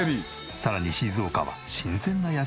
さらに静岡は。